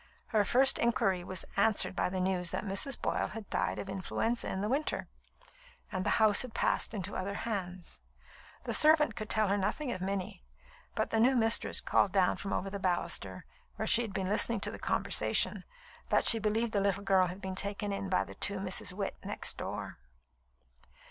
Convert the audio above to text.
Her first inquiry was answered by the news that Mrs. Boyle had died of influenza in the winter, and the house had passed into other hands. The servant could tell her nothing of Minnie; but the new mistress called down from over the baluster, where she had been listening to the conversation, that she believed the little girl had been taken in by the two Misses Witt next door.